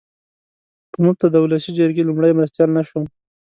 په مفته د اولسي جرګې لومړی مرستیال نه شوم.